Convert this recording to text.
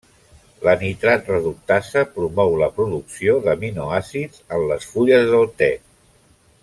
La nitrat reductasa promou la producció d'aminoàcids en les fulles del te.